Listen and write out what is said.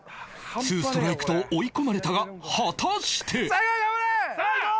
ツーストライクと追い込まれたが果たしてさあいこう！